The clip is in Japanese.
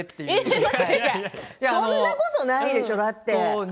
そんなことはないでしょ。